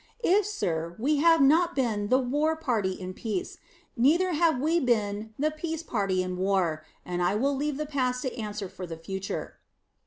If, sir, we have not been the "war party in peace," neither have we been the "peace party in war," and I will leave the past to answer for the future.